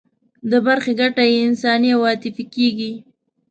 د برخې ګټه یې انساني او عاطفي کېږي.